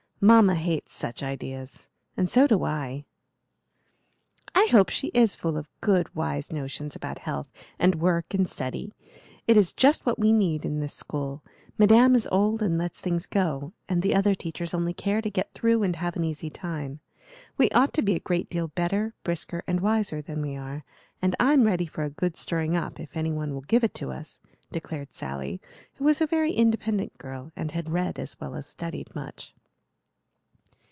Mamma hates such ideas, and so do I." "I hope she is full of good, wise notions about health and work and study. It is just what we need in this school. Madame is old and lets things go, and the other teachers only care to get through and have an easy time. We ought to be a great deal better, brisker, and wiser than we are, and I'm ready for a good stirring up if any one will give it to us," declared Sally, who was a very independent girl and had read as well as studied much.